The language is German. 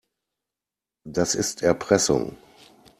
Das ist Erpressung.